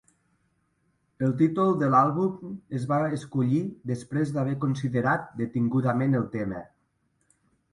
El títol de l'àlbum es va escollir després d'haver considerat detingudament el tema.